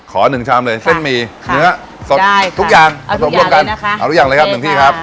หนึ่งชามเลยเส้นหมี่เนื้อสดทุกอย่างผสมร่วมกันนะคะเอาทุกอย่างเลยครับหนึ่งที่ครับ